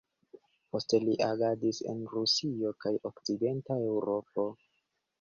Poste li agadis en Rusio kaj okcidenta Eŭropo.